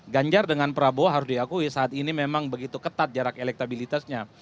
ganjar dengan prabowo harus diakui saat ini memang begitu ketat jarak elektabilitasnya